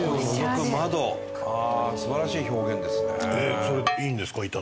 素晴らしい表現ですね。